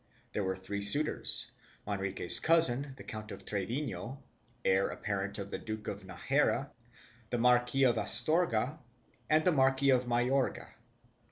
There were three suitors — Manrique's cousin the Count of Trevino, heir apparent of the Duke of Najera, the Marquis of Astorga and the Marquis of Mayorga.